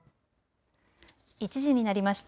１時になりました。